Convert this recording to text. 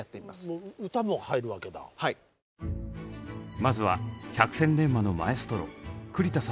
まずは百戦錬磨のマエストロ栗田さんのお手本です。